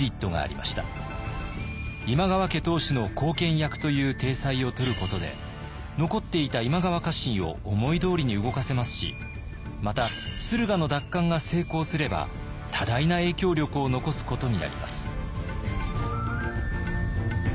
今川家当主の後見役という体裁をとることで残っていた今川家臣を思いどおりに動かせますしまた駿河の奪還が成功すれば多大な影響力を残すことになります。